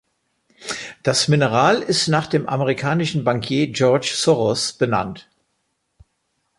Das Mineral ist nach dem amerikanischen Bankier George Soros benannt.